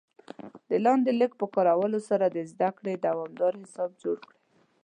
د لاندې لینک په کارولو سره د زده کړې دوامدار حساب جوړ کړئ